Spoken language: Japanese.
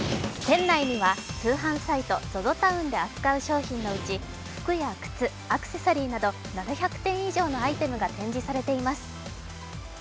店内には通販サイトＺＯＺＯＴＯＷＮで扱う商品のうち服や靴、アクセサリーなど７００点以上のアイテムが展示されています。